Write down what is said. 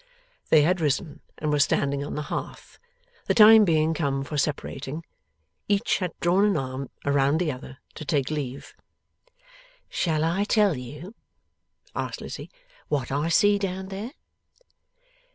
They had risen, and were standing on the hearth, the time being come for separating; each had drawn an arm around the other to take leave. 'Shall I tell you,' asked Lizzie, 'what I see down there?